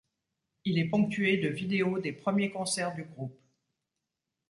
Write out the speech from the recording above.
Il est ponctué de vidéos des premiers concerts du groupe.